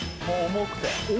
重くて。